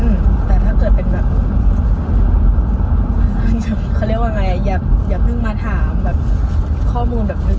แต่ถ้าเกิดเป็นลวงชาติอย่าเพิ่งมาถามข้อมูลนึก